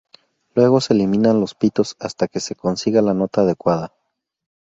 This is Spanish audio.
Luego se liman los "pitos" hasta que se consiga la nota adecuada.